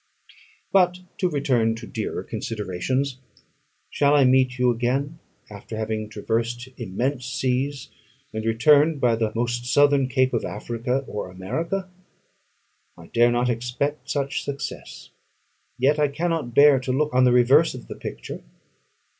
But to return to dearer considerations. Shall I meet you again, after having traversed immense seas, and returned by the most southern cape of Africa or America? I dare not expect such success, yet I cannot bear to look on the reverse of the picture.